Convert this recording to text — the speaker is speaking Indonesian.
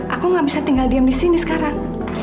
aku gak bisa tinggal diam disini sekarang